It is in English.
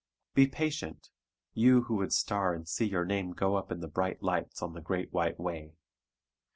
Be patient, you who would star and see your name go up in the bright lights on the Great White Way.